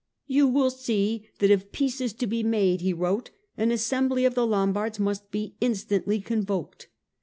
" You will see that if peace is to be made," he wrote, " an assembly of the Lombards must be instantly convoked.